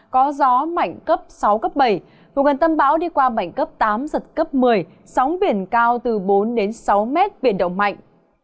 có gió mạnh cấp sáu bảy vùng gần tâm bão đi qua mạnh cấp tám giật cấp một mươi sóng biển cao từ bốn sáu m biển động mạnh